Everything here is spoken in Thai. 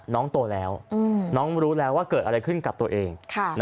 น้องโตแล้วน้องรู้แล้วว่าเกิดอะไรขึ้นกับตัวเอง